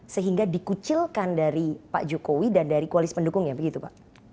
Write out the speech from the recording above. sehingga dikucilkan dari pak jokowi dan dari kualis pendukung ya begitu pak